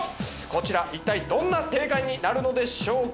こちら一体どんな展開になるのでしょうか？